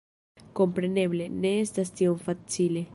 Kompreneble, ne estas tiom facile.